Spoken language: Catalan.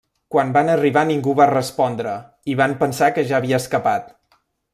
Quan van arribar ningú va respondre i van pensar que ja havia escapat.